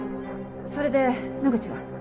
それで野口は？